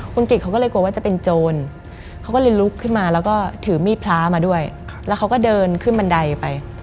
คุณกิจเขาก็เลยกลัวว่าจะเป็นโจรเขาก็เลยลุกขึ้นมาแล้วก็ถือมีดพระมาด้วยแล้วเขาก็เดินขึ้นบันไดไป